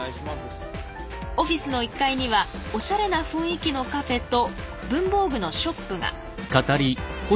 オフィスの１階にはおしゃれな雰囲気のカフェと文房具のショップが。